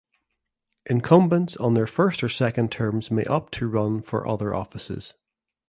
Incumbents on their first or second terms may opt to run for other offices.